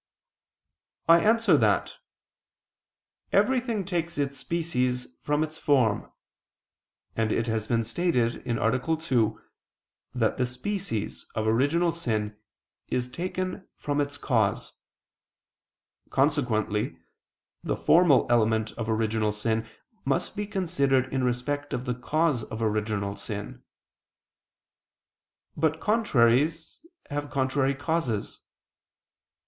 I answer that, Everything takes its species from its form: and it has been stated (A. 2) that the species of original sin is taken from its cause. Consequently the formal element of original sin must be considered in respect of the cause of original sin. But contraries have contrary causes.